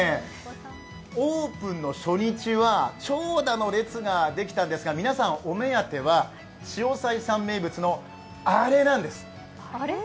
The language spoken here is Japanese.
オープンの初日は長蛇の列ができたんですが、皆さんお目当ては潮騒さん名物のあれなんです。